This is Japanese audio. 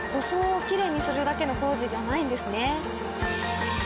装をきれいにするだけの工事じゃないんですね。